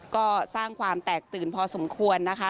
ก็สร้างความแตกตื่นพอสมควรนะคะ